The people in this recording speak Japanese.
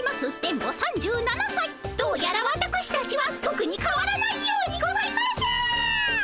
どうやらわたくしたちはとくにかわらないようにございます！